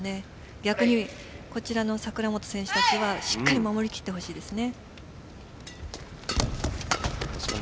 逆に櫻本選手たちはしっかり守りきってほしいですね。